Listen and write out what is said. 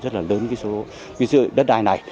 rất là lớn cái số quỹ sử dụng đất đai này